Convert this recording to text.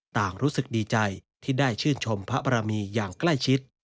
รู้สึกดีใจที่ได้ชื่นชมพระบรมีอย่างใกล้ชิด